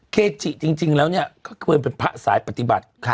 เกจิจริงแล้วเนี่ยก็ควรเป็นพระสายปฏิบัติ